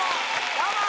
どうも！